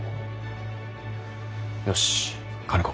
よし兼子。